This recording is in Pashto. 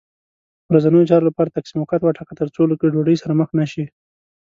ورځنیو چارو لپاره تقسیم اوقات وټاکه، تر څو له ګډوډۍ سره مخ نه شې